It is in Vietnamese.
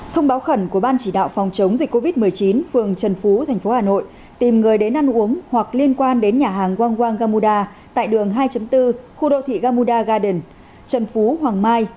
thông báo khẩn của ban chỉ đạo phòng chống dịch covid một mươi chín phường trần phú tp hà nội tìm người đến ăn uống hoặc liên quan đến nhà hàng wangwang gamuda tại đường hai bốn khu đô thị gamuda garden trần phú hoàng mai